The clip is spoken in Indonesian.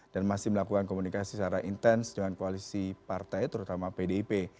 dan masih melakukan komunikasi secara intens dengan koalisi partai terutama pdip